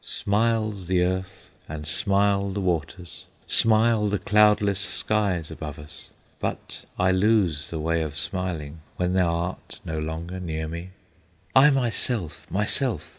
"Smiles the earth, and smile the waters, Smile the cloudless skies above us, But I lose the way of smiling When thou art no longer near me! "I myself, myself!